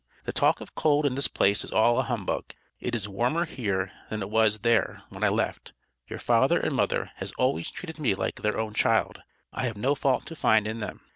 The talk of cold in this place is all a humbug, it is wormer here than it was there when I left, your father and mother has allways treated me like their own child I have no fault to find in them.